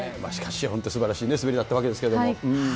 しかし本当にすばらしい滑りだったわけですけれども。